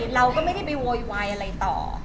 เราก็ไม่ได้ไปโวยวายอะไรต่อ